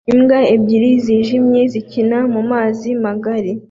Imbwa ebyiri zijimye zikina mumazi magari